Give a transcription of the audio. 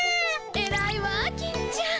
えらいわ金ちゃん。